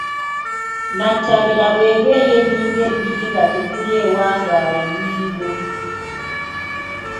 nnatabira bw’eba ey’ennyingo ebbiri nga tekuli ewangaala ennyingo